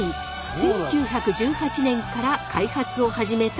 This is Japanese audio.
１９１８年から開発を始めた街なんです。